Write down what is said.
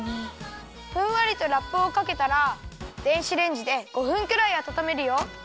ふんわりとラップをかけたら電子レンジで５分くらいあたためるよ。